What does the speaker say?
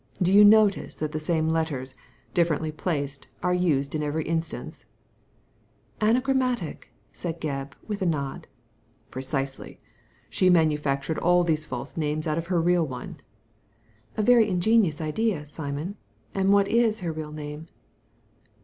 Do you notice that the same letters, differently placed, are used in every instance ?"Anagrammatic !" said Gebb, with a nod. " Precisely 1 She manufactured all these false names out of her real one." " A very ingenious idea, Simon. And what is her real name